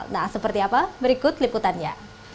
nah seperti apa berikut liputannya